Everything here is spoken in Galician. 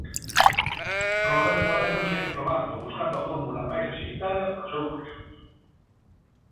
Robert Moreno segue probando, buscando a fórmula máis axeitada para o seu conxunto.